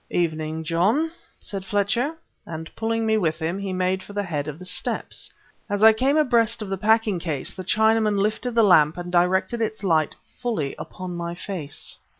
"Evening, John," said Fletcher and, pulling me with him, he made for the head of the steps. As I came abreast of the packing case, the Chinaman lifted the lamp and directed its light fully upon my face.